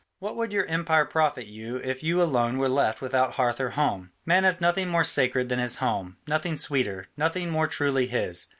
What would your empire profit you if you alone were left without hearth or home? Man has nothing more sacred than his home, nothing sweeter, nothing more truly his.